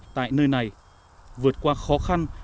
tại nơi này vượt qua khó khăn